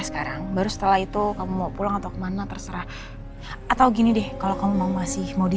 sekarang baru setelah itu kamu mau pulang atau kemana terserah atau gini deh kalau kamu mau masih mau di